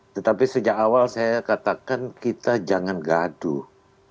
tetapi sejak awal saya katakan kita jangan gaduh